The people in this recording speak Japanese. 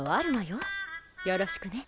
よろしくね。